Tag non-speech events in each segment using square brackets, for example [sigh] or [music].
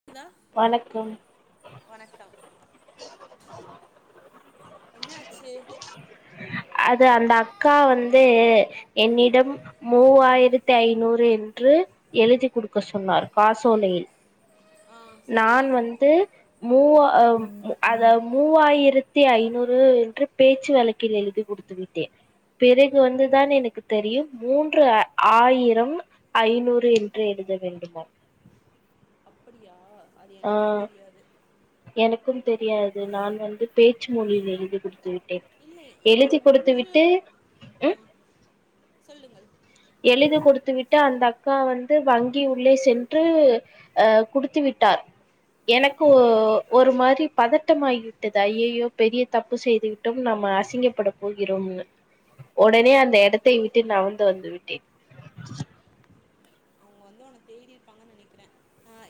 க்குதா வணக்கம் வணக்கம் என்ன ஆச்சு அது அந்த அக்கா வந்து என்னிடம் மூவாயிரத்தி ஐநூறு என்று எழுதி கொடுக்கச் சொன்னார் காசோலையில் ஆ சரி நான் வந்து மூவஹ அத மூவாயிரத் த்தி ஐநூறு என்று பேச்சு வழக்கில் எழுதி குடுத்து விட்டேன் பிறகு வந்துதான் எனக்கு தெரியும் மூன்று ஆ ஆயிரம் ஐநூறு என்று எழுத வேண்டுமாம் அப்படியா அது ஆ எனக்கே தெரியாது எனக்கும் தெரியாது நான் வந்து பேச்சு மொழியில் எழுதி கொடுத்து விட்டேன் இல்லை நான் எழுதி கொடுத்து மூன்று விட்டு ஆ ம் சொல்லுங்கள் எழுதி கொடு கொடுத்து விட்டு அந்த அக்கா வந்து வங்கி உள்ளே சென்று ஆ குடுத்து விட் விட்டார் எனக்கு ஆ ஆ ஓர் ஒரு மாரி பதட்டமாகிவிட்டது ஐயயோ பெரிய தப்பு செய்துவிட்டோம் நம் அசிங்கப்பட போகிறோம்னு உடனே அந்த இடத்தை விட்டு நவுந்து வந்து வந்து விட்டேன் அவங்க வந்து உன்ன தேடிிருப்பாங்கன்னு நினைக்கிறேன்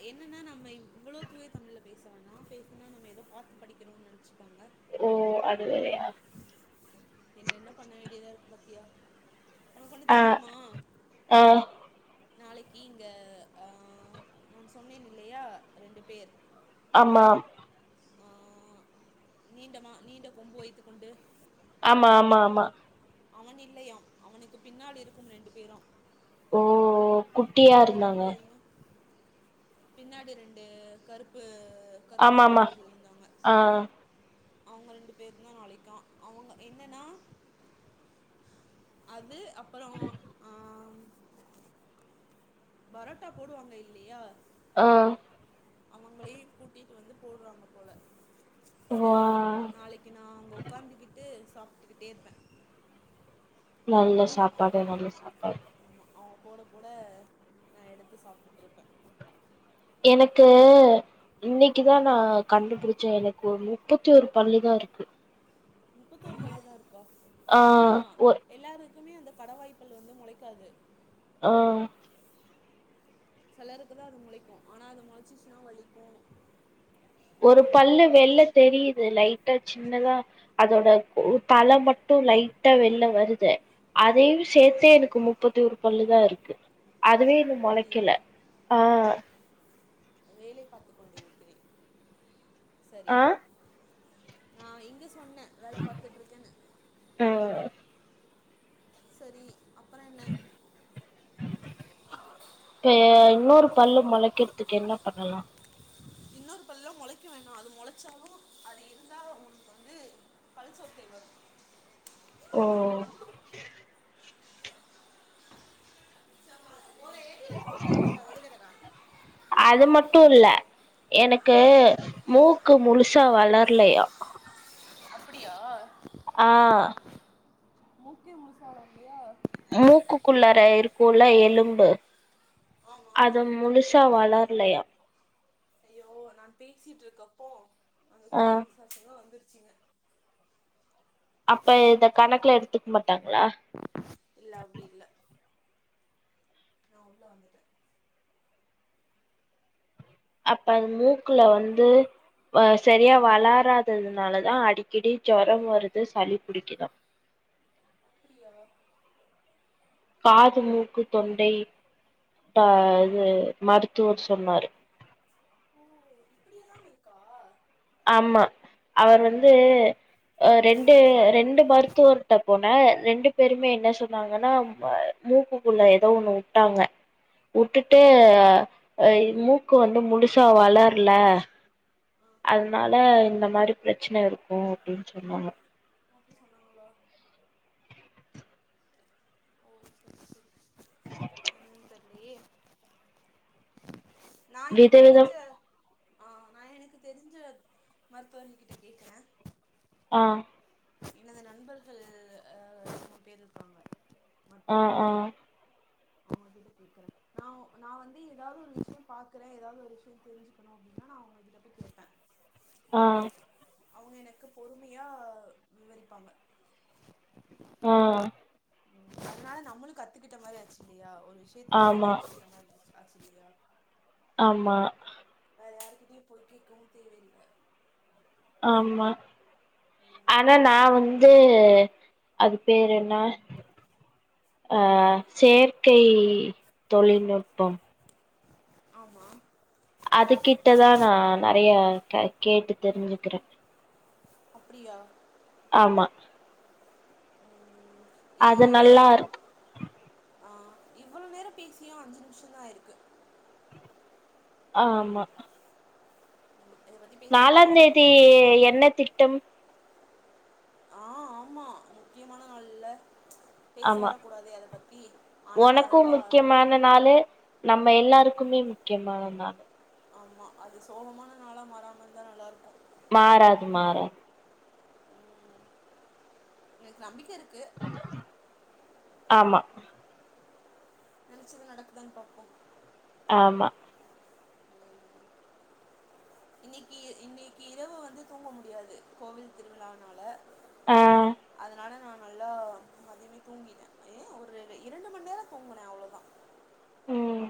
என்னன்னா நம்ம இவ்வளோ தூவே தமிழில் பேசவனா பேசுனா நம்ம ஏதோ பார்த்து படிக்கணும்ன்னனு நினச்சிருப்பாங்க ஓ அதுவேரயா என்ன என்ன பண்ண வேண்டியதா இருக்கு பாத்தியா ஆ ஆ நாளேக்கு இங்க ஆஹ் நான் சொன்னேன் இல்லையா ரெண்டு பேர் ஆம்மாம் ஆஹ் நீண்டமா நீண்ட கொம்பு வைத்துக் கொண்டு ஆம்மா ஆம்மா ஆம்மா அவன் இல்லையாம் அவனுக்கு பின்னால் இருக்கும் ரெண்டு பேரா ஓஓ குட்டியா இருந்தாங்க பேரும் பின்னாடி ரெண்டு கருப்பு கருப்பா ஆம்மா ஆம்மா ஆஹ் அவுங்க ரெண்டு பேருந்தா நாளைக்காம் அவுங்க என்னன்னா அது அப்புறோ ஆஹ் பரோட்டா போடுவாங்க இல்லையா ஆஹ் அவங்களையும் கூட்டிட்டு வந்து போடுறாங்க போல வா நாளைக்கு நா அங்க உக்காந்திக்கிட்டு சாப் டுக்கிட்டேருப்பே நல்ல சாப்பாடு நல்ல சாப்பாடு அவுங்க போட போட நான் எடுத்து சாப்ட்டுட்ருப்பே எனக்கு இன்னக்குதான் ஆ நான் கண்டுபுடிச்சேன் எனக்கு ஒரு முப்பத்தி ஒரு பல்லு தான் இருக்கு முப்பத்தொரு பல்லுதான் இருக்கா ஆ ஆம்மா ஒ எல்லாரு க்குமே அந்த கடவாய்ப்பல்லு வந்து மொளைக்காது ஆஹ் சிலருக்குதான் அது முளைக்கும் ஆனா அது மொளைச்சிச்சுன்னா வலிக்கும் ஒரு பல்லு வெள்ல தெரிது லைட்டா சின்னதா அதோட உ தல மட்டு லைட்டா வெள்ள வருது அதையு ஆ சேத்தே எனக்கு முப்பத்தி ஒரு பல்லுதா இருக்கு அதுவே என அப்படியா மொளைக்கல ஆஹ் வேலை பாத்துக் கொண்டிருக்கிறேன் சரி ஆ ஆஹ் இங்க சொ சொன்னே வேல பாத்துட்டு்ருக்கேன்னு ஆ சரி அப் இப்ப இன்னொரு பல்லு மொளைக்கிறதுக்கு என்ன பண்ணலாம் இன்னொரு பல்லாம் மொளைக்க வேணாம் அது மொளைச்சாலும் அது இருந்தா உனக்கு வந்து பல் சொத்தை வரும் ஓ ஒரு ஏரியில் ரோகலை மிஸ்டா வடிகடா. அது மட்டு இல்ல எனக்கு ஆ மூக்கு முழுசா வளர்லயா அப்படியா ஆஹ் மூக்கே முழுசா வளர்லயா மூக்குக்குள்ளாற இருக்குள்ள எலும்பு ஆமா அது முழுசா சா வளரலையா இப்போ நா பேசிட்டு இருக்கப்போ அந்த ஆ குட்டி பிசாசுங்கல்லா வந்துரு சிங்க அப்ப இத கணக்குல எடுத்துக்க மாட்டாங்களா இல்ல அப்படி இல்ல நா உள்ள வந்துட்டே அப்ப அது மூக்குல வந்து வ சரியா வளராததுனாலதான் அடிக்கடி ஜொரம் வருது சளி புடிக்குதா அப்படியா காது மூக்கு தொண்டை ட்ட இது மருத்துவர் சொன்னாரு ஓ இப்படி எல்லாம் இருக்கா ஆமா அவர் வந்து அ ரெண்டு ரெண்டு மருத்துவர்கிட்ட போன ரெண்டு பேருமே என்ன சொன்னாங்கன்னா மூக்குக்குள்ள ஏதோ ஒண்ணு வுட்டாங்க வுட்டுட்டு ஆ இ மூக்கு வந்து முழுசா வளரல ஆ அதனால இந்த மாரி பிரச்சன இருக்கும் அப்படின்னு சொன்னாங்க அப்படி சொன்னாங்களா ஓகே சரி [inaudible] என்னன்னு தெர்லயே நா எனக்கு விதவிதம் தெரிஞ்ச ஆ நா எனக்கு தெரிஞ்ச மருத்துவர்கள் கிட்ட கேக்குறே ஆ எனது நண்பர்கள் [unintelligible] பேர் இருக்காங்க ஆ ஆ மருத்துவர்களா நா நா வந்து எதாவது ஒரு விஷயம் பாக்குறேன் எதாவது ஒரு விஷயம் தெறிஞ்சுக்கணு அப்படின்னா நா உங்ககிட்ட வந்து கேட்பேன் ஆ அவங்க எனக்கு பொறுமையா விவரிப்பாங்க ஆ இதனால நம்மளும் கத்துக்கிட்ட மாரி ஆச்சு இல்லையா ஆமா [inaudible] அப்டியா ஆமா வேற யாருகிட்டயும் போய் கேட்கவும் தேவையில்ல ஆமா ம் ஆனா நா வந்து து அது பேர் என்ன ஆ இது செயற்கை தொழில்நுட்பம் ஆமா அது கிட்டதா நா நெறைய க கேட்டு தெரிஞ்சுக்கிறே அப்டியா ஆமா ம் இ அது இ நல்லா இருக் ஆ இவ்ளோ நேரம் பேசியும் அஞ்சு நிமிஷம்‌தா ஆயிருக்கு ஆமா இத பத்தி பேச நாலான் கூடாதுனு தேதி சொன்னாங்க என்ன திட்டம் ஆ ஆமா முக்கியமான நாள்ல்ல பேச ஆமா வர கூடாது அத பத்தி ஆனா நான் ஒனக்கு ரொம்ப முக்கியமான நாளு நம்ம எல்லாருக்குமே முக்கியமான நாள் ஆமா அது சோகமான நாளா மாறாமாருந்தா நல்லாருக்கு மாறாது மாறாது ம் எனக்கு நம்பிக்க இருக்கு ஆமா நெனைச்சது நடக்குதான் பாப்போ ஆமா இன்னிக்கு இன்னிக்கு இரவு வந்து தூங்க முடியாது கோவில் திருவிழானால ஆ அதனால நா நல்லா மதியமே தூங்கிட்ட ஏ ஒரு இரண்டு மண் நேரோ தூங்குன அவ்ளதா ம்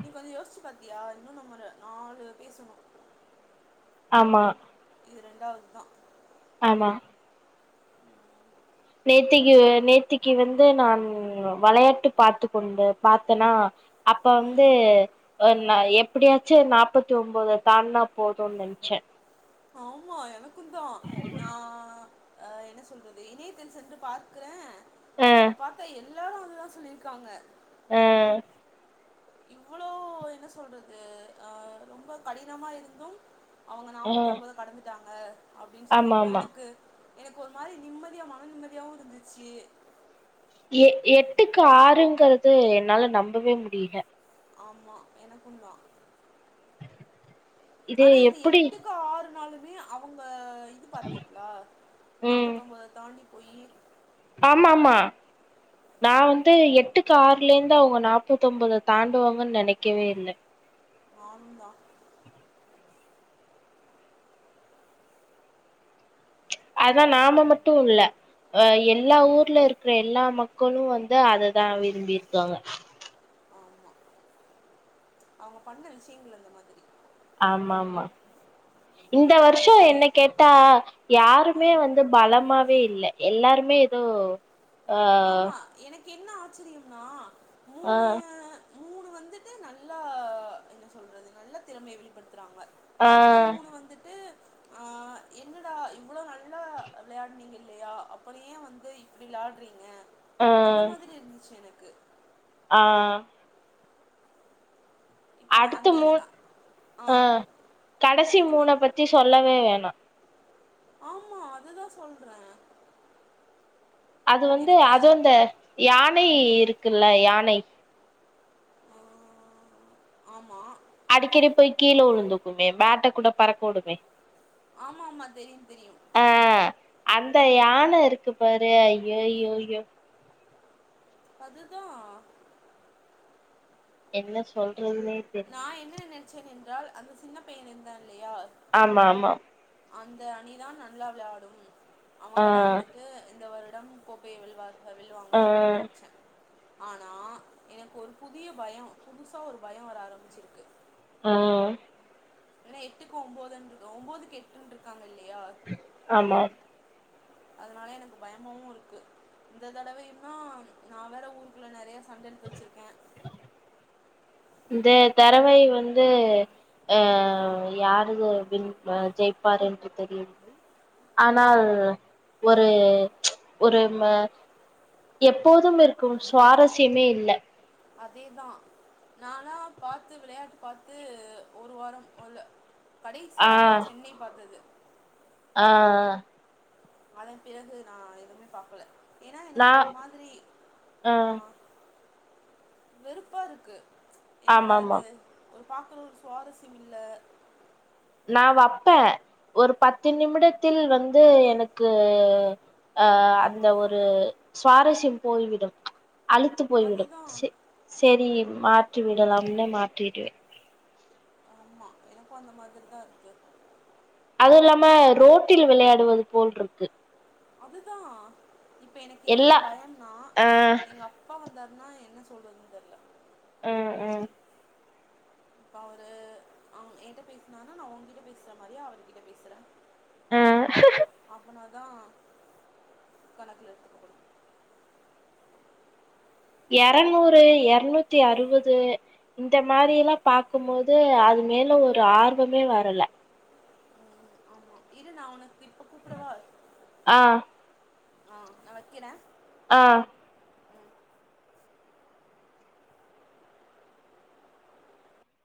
நீ கொஞ்சோ யோசிச்சு பாத்தியா இன்னு நம்பரு நாலு பேசணு ஆமா இது ரெண்டாவது தா ஆமா நேத்திக்கு நேத்திக்கு வந்து நான் வளையாட்டு பாத்து கொண்டு பாத்தனா அப்ப வந்து ம் [unintelligible] நா எப்டியாச்சு நாப்பத்தி ஒம்போத தாண்டுனா போதுன் நெனச்சே ஆமா எனக்குந்தா நா அ என்ன சொல்றது இணையத்தில் சென்று பார்க்கற அ அங்க பாத்தா எல்லாரு அததா சொல்லிருக்காங்க ஆ இவ்ளோ என்ன சொல்றது ஆ ரொம்ப கடினமா இருந்து அவங்க அ நாப்பதொம்போத கடந்துட்டாங் அப்டின்னு ஆமா சொன்னப்போ ஆமா எனக்கு எனக்கு ஒரு மாரி நிம்மதியா மன நிம்மதியாவுருந்துச்சு எ எட்டுக்கு ஆறுங்கறது என்னால நம்பவே முடியல ஆமா எனக்கும் தா ஆனா இது எட்டுக்கு ஆறு நாள் வி அவுங்க ஆ இது பாத்தீங்ளா நாப்பதொம்போத தாண்டி [unintelligible] ஆமாமா நா வந்து எட்டுக்கு ஆர்லேந்து அவங்க நாப்பதொம்போத தாண்டுவாங்கன்னு நெனைக்கவே இல்ல நானும் தா அதா நாம மட்டும் இல்ல அ எல்லா ஊர்ல இருக்கற எல்லா மக்களும் வந்து அத தா விரும்பிர்க்காங்க ஆமா அவங்க பண்ண விஷயங்கள் அந்த மாதிரி ஆமா ஆமா இந்த வருஷம் எல்லாருடைய என்ன கேட்டா ஆ யாருமே வந்து பலமா ப்பே இல்ல எல்லாருமே ஏதோ ஆ ஆமா எனக்கு என்ன ஆச்சரியம்னா மூணு ஆஹ் மூணு வந்துட்டு நல்லா என்ன சொல்றது நல்ல திறமைய வெளிப்படுத்த றங்க ஆ அடுத்த மூணு வந்துட்டு ஆஹ் என்னடா இவ்வளவு நல்லா விளையாடுனீங்க இல்லையா அப்படியே வந்து இப்படி விளையாடுறீ அந்த மாதிரி இருந்துச்சு எனக்கு ஆஹ் இப்ப அடுத்த அந்த மூன் அ- ஆ ஆஹ் கடைசி சொல்லுங்க மூன பத்தி சொல்லவே வேணாம் ஆமா அதுதான் சொல்ற அது வந்து அதுந்த யானை ம் இருக்குல்ல யானை ஆ ஆமா அடிக்கடி போய் கீழ உழுந்துக்குமே பேட்டை கூட பறக்க வுடுமே ஆமா ஆமா தெரியும் தெரியு அந்த யான இருக்கு பாரு ஐயோயோயோ அதுதான் என்ன சொல் எதுமே தெரிய தி நின்றால் அந்த சின்ன பையன் நின்றான் இல்லயா ஆமா ஆமா அந்த அணிதான் நல்லா வெளாடும் ஆ அவுங்கதான் வந்துட்டு இந்த வரு இடம் கோப்பையை வெல்வார் ப்ப வில்லுவாங்க ஆ அப்டின்னு நெனைச்சேன் ஆனா எனக்கு ஒரு புதிய பயோ புதுசா ஒரு பயோ வர ஆர பிஞ்சிருக்கு ஆ ஏனா எட்டுக்கு ஒம்போது ஒம்போதுக்கு எட்டுன்னு இருக்காங்க இல் ஆமா அதனால எனக்கு பயமாவு இருக்கு இந்த தடவைன்னா நா வேற ஊருக்குள்ள நெறயா சண்ட இழுத்து வெச்சிருக்கேன் இந்த தறவை வந்து அ யாருது அப்டின்னு ஜெயிப்பார் என்று தெரியல ஆனால் ஒரு ஒரு எப்போதும் இருக்கும் சுவாரஸ்யமே இல்ல அதேதா நானா பாத்து விளையாட்டு பாத்து ஒரு வாரம் போல ஆ கடைசியாக சென்னை பாத்தது ஆ அதன் பிறகு நா எதுமே பாக்கல ஏனா நா எனக்கு ஒரு மாதிரி ஆ வெறுப்பா இருக்கு ஆமா என்னடா ஆமா அது ஒரு பாக்குற ஒரு சுவாரஸ்யம் இல்ல நா வப்பே ஒரு பத்து நிமிடத்தில் வந்து எனக்கு அஹ் அந்த ஒரு சுவாரஸ்யம் போய்விடும் அழுத்து போய்விடும் அதுதான் செ செரி மாப் விட்டுவிடலாம் [unintelligible] ஆமா எனக்கு அந்த மாதிரி தான் இருக்கு அது இல்லாம ரோட்டில் விளையாடுவது போல்ருக்கு அதுதா இப்ப எனக்கு என்ன எல்லா பயம்னா ஆ எங்க அப்பா வந்தா ன்னா என்ன சொல்றதுன்னு தெர்ல ம் ம் இப்ப அவரு அவ் ஏங்கிட்ட பேசினாருனா நா ஒங்கிட்ட பேசுற மாரியே அவர் கிட்ட பேசுற ம் ஆஃப் பன் ஹார் தா கணக்கல எடுத்துக்குடனு எரநூறு எரநூத்தி அறுபது இந்த மாரியெல்லா பாக்கும்போது அது மேல ஒரு ஆர்வமே வரல ம் இரு ந உன ஆ ஆஹ் நா வக்கிறே ஆ